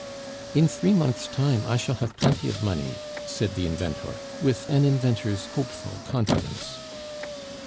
"In three months' time I shall have plenty of money," said the inventor, with an inventor's hopeful confidence.